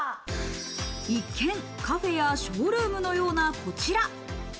一見カフェやショールームのような、こちら。